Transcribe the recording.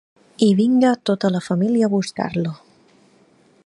I vinga tota la família a buscar-lo.